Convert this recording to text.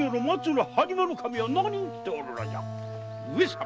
上様。